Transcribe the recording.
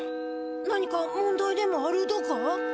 何か問題でもあるだか？